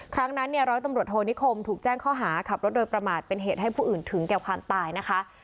ครั้งนั้นเนี่ยร้อยตำรวจโทนิคมถูกแจ้งข้อหาขับรถโดยประมาทเป็นเหตุให้ผู้อื่นถึงแก่ความตายนะคะ